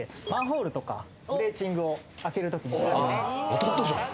当たったじゃん。